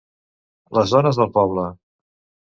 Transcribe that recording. Les dones del poble.